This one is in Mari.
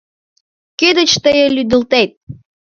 Кӧ деч тые лӱдылдет?